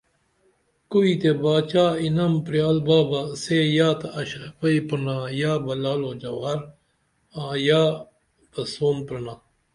کوئیتے باچا انعم پریال با بہ سے یا تہ اشرپئی پرینا یا بہ لعل و جوہر آں یا بہ سون پرینا